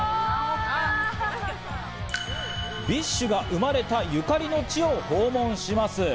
ＢｉＳＨが生まれたゆかりの地を訪問します。